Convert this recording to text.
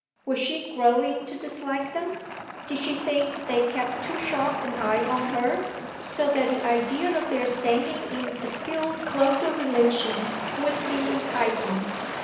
Was she growing to dislike them? Did she think they kept too sharp an eye on her, so that the idea of their standing in a still closer relation wouldn't be enticing?